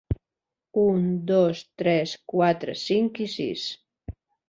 Un, dos, tres, quatre, cinc i sis.